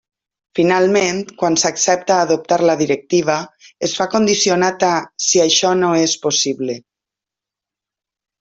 Finalment, quan s'accepta adoptar la directiva es fa condicionat a “si això no és possible”.